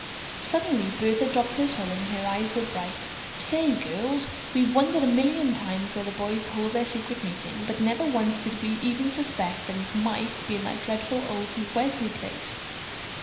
Suddenly Bertha dropped her sewing and her eyes were bright "Say, girls, we've wondered a million times where the boys hold their secret meetings, but never once did we even suspect that it might be in that dreadful old Welsley place."